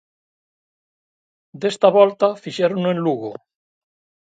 Desta volta fixérono en Lugo.